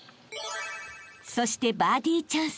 ［そしてバーディチャンス］